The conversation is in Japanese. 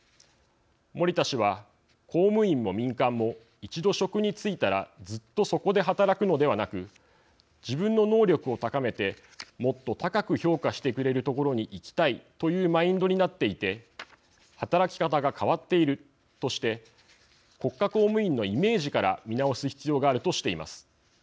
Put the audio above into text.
森田氏は「公務員も民間も一度、職に就いたらずっとそこで働くのではなく自分の能力を高めて、もっと高く評価してくれるところに行きたいというマインドになっていて働き方が変わっている」として国家公務員のイメージから見直す必要があるとしています。